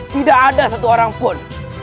tidak ada satu orang pun